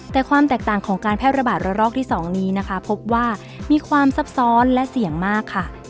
แต่ความแตกต่างของการแพร่ระบาดระลอกที่๒นี้นะคะพบว่ามีความซับซ้อนและเสี่ยงมากค่ะ